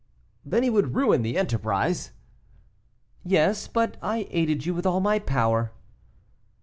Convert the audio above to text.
"Then he would ruin the enterprise?" "Yes; but I aided you with all my power."